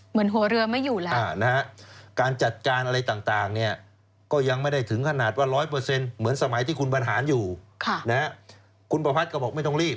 หัวเรือไม่อยู่แล้วนะฮะการจัดการอะไรต่างเนี่ยก็ยังไม่ได้ถึงขนาดว่า๑๐๐เหมือนสมัยที่คุณบรรหารอยู่คุณประพัทธก็บอกไม่ต้องรีบ